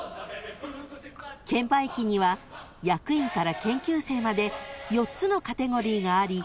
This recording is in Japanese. ［券売機には役員から研究生まで４つのカテゴリーがあり］